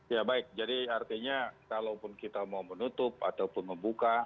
ya baik jadi artinya kalaupun kita mau menutup ataupun membuka